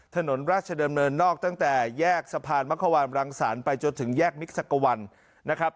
ถนนราชดำเนินนอกตั้งแต่แยกสะพานมะขวานรังศาลไปจนถึงแยกมิกสักกะวันนะครับ